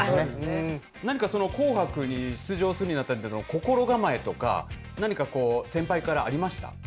何か紅白に出場するにあたっての心構えとか、何かこう、先輩からありました？